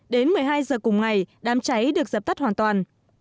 đến một mươi hai giờ cùng ngày đám cháy được dập tắt hoàn toàn